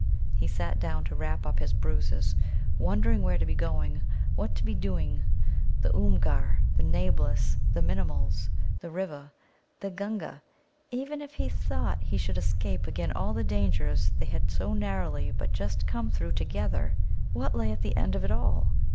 He sat down to wrap up his bruises, wondering where to be going, what to be doing. The Oomgar, the Nameless, the Minimuls, the River, the Gunga even if, he thought, he should escape again all the dangers they had so narrowly but just come through together, what lay at the end of it all?